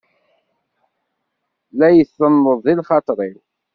La itenneḍ di lxaṭeṛ-iw.